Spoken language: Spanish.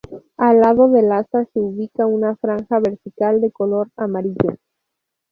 Al lado del asta se ubica una franja vertical de color amarillo.